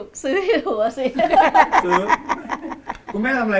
ของคุณยายถ้วน